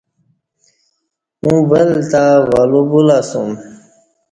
اوں ول تہ ولو بولہ اسوم